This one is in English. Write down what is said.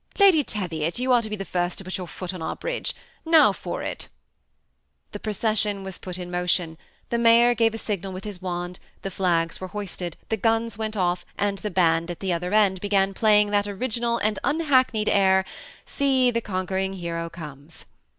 Lady Teviot, you are to be the first to put your foot on our bridge. Now for it" The procession was put in motion, the mayor gave a signal with his wand, the flags were hoisted, the guns went off, and the band at the other end began playing that original and unhackneyed air, " See, the conquer ing hero comes."